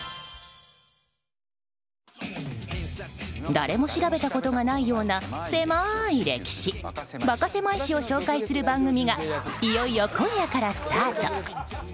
誰も調べたことがないような狭い歴史バカせまい史を紹介する番組がいよいよ今夜からスタート。